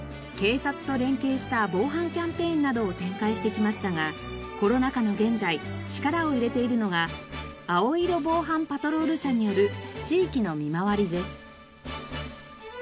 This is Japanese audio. などを展開してきましたがコロナ禍の現在力を入れているのが青色防犯パトロール車による地域の見回りです。